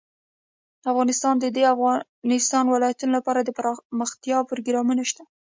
افغانستان کې د د افغانستان ولايتونه لپاره دپرمختیا پروګرامونه شته.